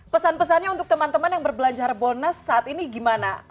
pesan pesannya untuk teman teman yang berbelanja harbolnas saat ini gimana